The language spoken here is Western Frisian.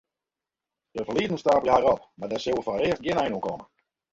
De ferliezen steapelen har mar op en dêr soe foarearst gjin ein oan komme.